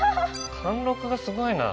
貫禄がすごいな。